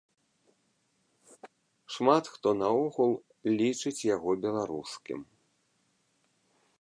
Шмат хто наогул лічыць яго беларускім.